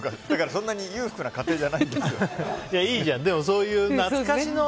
そんなに裕福な家庭じゃないですよ。